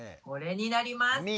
これになります。